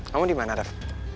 kamu di mana rev